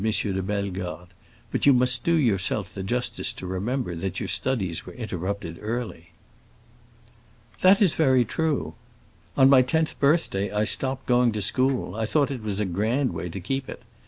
de Bellegarde; "but you must do yourself the justice to remember that your studies were interrupted early." "That is very true; on my tenth birthday I stopped going to school. I thought it was a grand way to keep it.